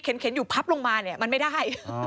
เข็นอยู่พับลงมามันไม่ค่ะ